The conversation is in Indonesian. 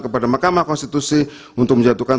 kepada mahkamah konstitusi untuk menjatuhkan